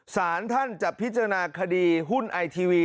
สารท่านจะพิจารณาคดีหุ้นไอทีวี